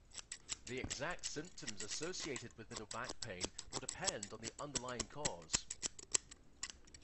The exact symptoms associated with middle back pain will depend upon the underlying cause.